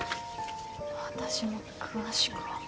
私も詳しくは。